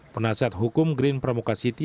penasihat hukum green pramuka city